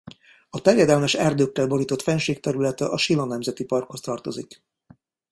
A terjedelmes erdőkkel borított fennsík területe a Sila Nemzeti Parkhoz tartozik.